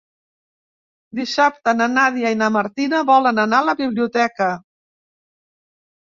Dissabte na Nàdia i na Martina volen anar a la biblioteca.